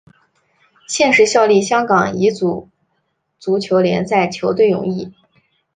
现时效力香港乙组足球联赛球队永义。